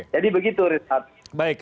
jadi begitu renat